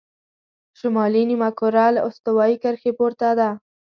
شمالي نیمهکره له استوایي کرښې پورته ده.